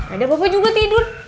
ada papa juga tidur